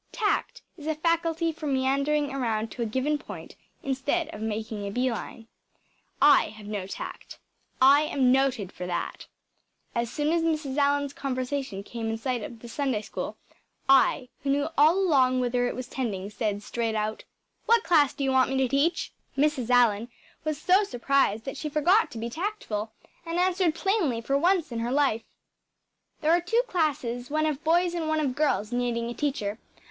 Tact is a faculty for meandering around to a given point instead of making a bee line. I have no tact. I am noted for that. As soon as Mrs. Allan’s conversation came in sight of the Sunday School, I, who knew all along whither it was tending, said, straight out, “What class do you want me to teach?‚ÄĚ Mrs. Allan was so surprised that she forgot to be tactful, and answered plainly for once in her life, “There are two classes one of boys and one of girls needing a teacher.